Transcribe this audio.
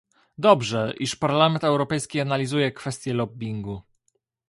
Dobrze, iż Parlament Europejski analizuje kwestie lobbingu